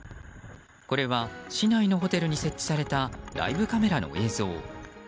これは市内のホテルに設置されたライブカメラの映像。